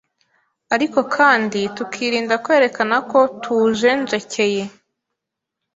ariko kandi tukirinda kwerekana ko tuwujenjekeye,